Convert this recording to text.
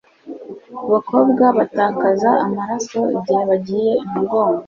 abakobwa batakaza amaraso igihe bagiye imugongo.